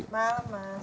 selamat malam mas